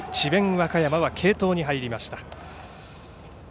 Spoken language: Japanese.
和歌山は継投に入りました。